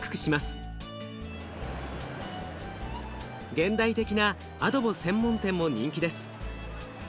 現代的なアドボ専門店も人気です。